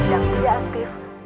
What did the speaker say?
nomor yang hanya terkini